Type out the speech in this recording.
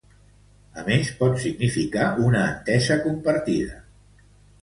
A més, pot significar una entesa compartida.